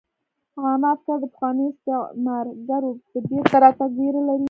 عامه افکار د پخوانیو استعمارګرو د بیرته راتګ ویره لري